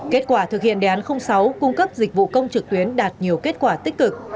kết quả thực hiện đề án sáu cung cấp dịch vụ công trực tuyến đạt nhiều kết quả tích cực